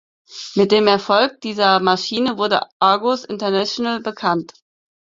Mit dem Erfolg dieser Maschine wurde Argus international bekannt.